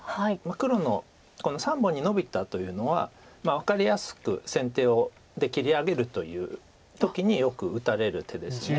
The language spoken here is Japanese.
黒の３本にノビたというのは分かりやすく先手で切り上げるという時によく打たれる手です。